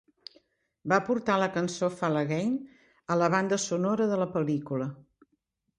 Va aportar la cançó "Fall Again" a la banda sonora de la pel·lícula.